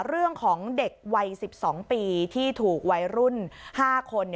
เรื่องของเด็กวัย๑๒ปีที่ถูกวัยรุ่น๕คน